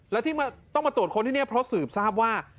แล้วที่ต้องมาตรวจค้นที่นี่เพราะสืบทราบว่า